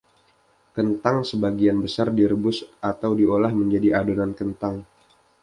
Kentang sebagian besar direbus atau diolah menjadi adonan kentang.